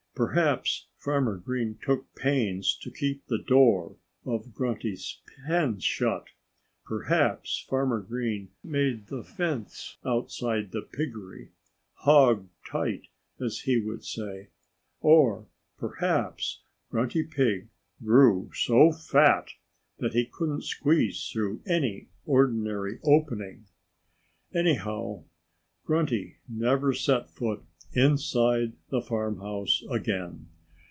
Perhaps Farmer Green took pains to keep the door of Grunty's pen shut. Perhaps Farmer Green made the fence outside the piggery "hog tight," as he would say. Or perhaps Grunty Pig grew so fat that he couldn't squeeze through any ordinary opening. Anyhow, Grunty never set foot inside the farmhouse again.